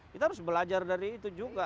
kita harus belajar dari itu juga